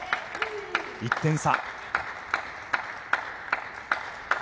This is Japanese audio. １点差。